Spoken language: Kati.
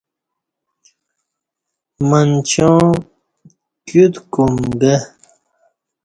منچیوں کیوت کوم گہ